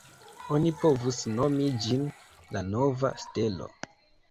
Oni povus nomi ĝin la “Nova Stelo”.